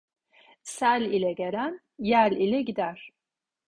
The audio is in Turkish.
Sel ile gelen yel ile gider.